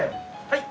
はい。